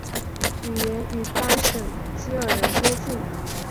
语言与巴什基尔人接近。